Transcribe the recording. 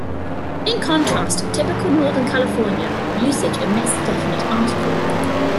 In contrast, typical Northern California usage omits the definite article.